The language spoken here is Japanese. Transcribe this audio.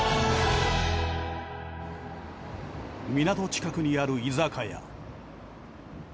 港近くにある居酒屋。